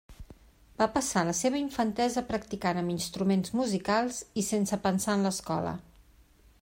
Va passar la seva infantesa practicant amb instruments musicals i sense pensar en l'escola.